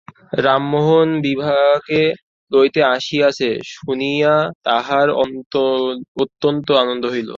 রামমোহন বিভাকে লইতে আসিয়াছে শুনিয়া তাঁহার অত্যন্ত আনন্দ হইল।